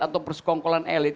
atau persekongkolan elit